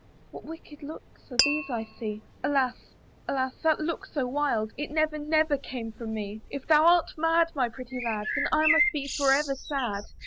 What wicked looks are those I see? Alas! alas! that look so wild, It never, never came from me: If thou art mad, my pretty lad, Then I must be for ever sad.